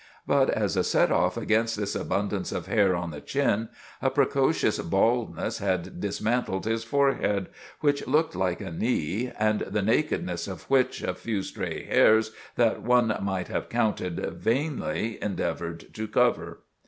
But, as a set off against this abundance of hair on the chin, a precocious baldness had dismantled his forehead, which looked like a knee, and the nakedness of which a few stray hairs that one might have counted vainly endeavored to cover.